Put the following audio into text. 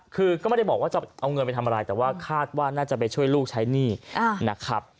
คือก็ไม่ได้บอกว่าจะเอาเงินไปทำอะไรแต่ว่าคาดว่าน่าจะไปช่วยลูกใช้หนี้นะครับ